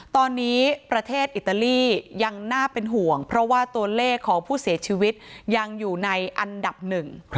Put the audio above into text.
ตอนนี้ประเทศอิตาลียังน่าเป็นห่วงเพราะว่าตัวเลขของผู้เสียชีวิตยังอยู่ในอันดับหนึ่ง